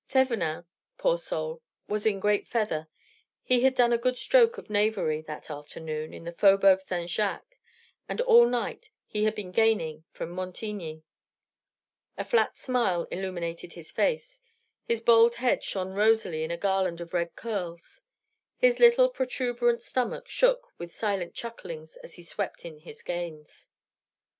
Thevenin, poor soul, was in great feather: he had done a good stroke of knavery that afternoon in the Faubourg St. Jacques, and all night he had been gaining from Montigny. A flat smile illuminated his face; his bald head shone rosily in a garland of red curls; his little protuberant stomach shook with silent chucklings as he swept in his gains.